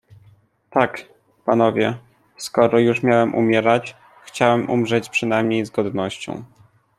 "Tak, panowie, skoro już miałem umierać, chciałem umrzeć przynajmniej z godnością."